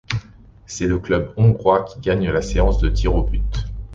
C'est le club hongrois qui gagne la séance de tirs au but.